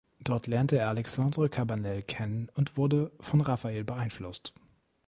Dort lernte er Alexandre Cabanel kennen und wurde von Raffael beeinflusst.